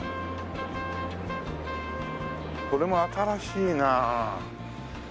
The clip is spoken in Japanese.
これも新しいな。